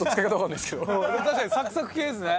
確かにサクサク系ですね。